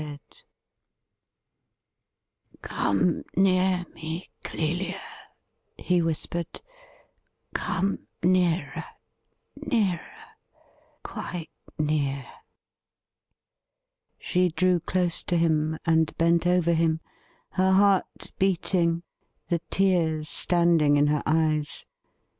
312 THE RIDDLE RING ' Come near me, Clelia,' he whispered ;' come nearer — nearer — quite near.' She drew close to him, and bent over him, her heart beating, the tears standing in her eyes.